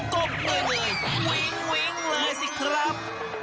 โก๊บเหนื่อยวิ้งเลยสิครับ